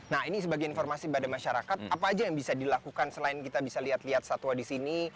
nah ini sebagai informasi pada masyarakat apa aja yang bisa dilakukan selain kita bisa lihat lihat satwa di sini